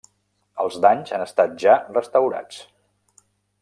Els danys han estat ja restaurats.